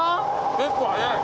結構速い。